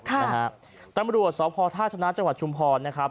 ตำรวจสธาชนะจังหวัดชุมพรนะครับ